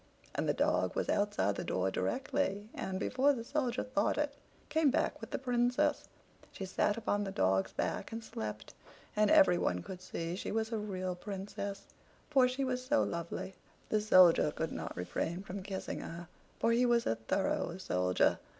And the dog was outside the door directly, and, before the Soldier thought it, came back with the Princess. She sat upon the dogs back and slept; and everyone could see she was a real Princess, for she was so lovely. The Soldier could not refrain from kissing her, for he was a thorough soldier.